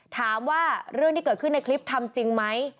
ถามว่าเรื่องที่เกิดขึ้นในคลิปทำจริงไหม